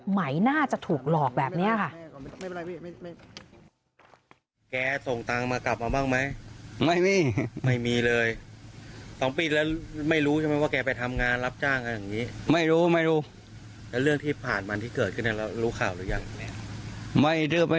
ไหมน่าจะถูกหลอกแบบนี้ค่ะ